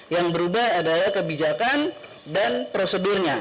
yang berubah adalah kebijakan dan prosedurnya